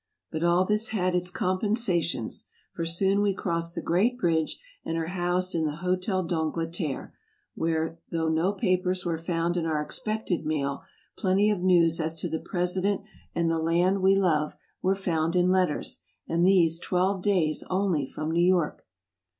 But all this had its compen sations; for soon we cross the great bridge, and are housed in the Hotel d'Angleterre, where though no papers were found in our expected mail, plenty of news as to the Presi dent, and the land we love, were found in letters, and these twelve days only from New York.